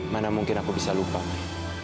mana mungkin aku bisa lupa nih